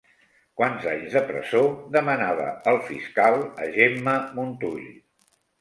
Quants anys de presó demanava el fiscal a Gemma Montull?